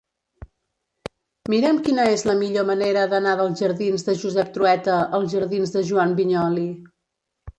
Mira'm quina és la millor manera d'anar dels jardins de Josep Trueta als jardins de Joan Vinyoli.